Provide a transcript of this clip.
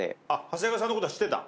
長谷川さんのことは知ってた？